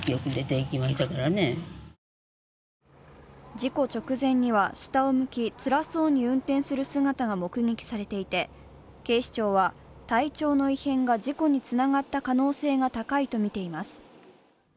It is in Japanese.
事故直前には下を向き、つらそうに運転する姿が目撃されていて警視庁は、体調の異変が事故につながった可能性が高いとみています。